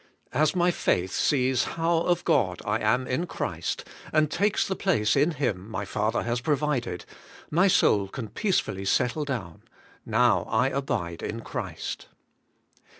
As my faith sees how of God I am in Christ, and takes the place in AT THIS MOMENT. 117 Him my Father has provided, my soul can peacefully settle down : Now I abide in Christ.